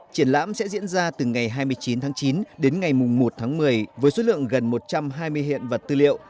triển lãm sẽ diễn ra từ ngày hai mươi chín tháng chín đến ngày một tháng một mươi với số lượng gần một trăm hai mươi hiện vật tư liệu